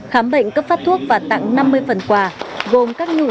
khám bệnh cấp phát thuốc và tặng năm mươi phần quà gồm các nhu yếu phẩm cho các gia đình chính sách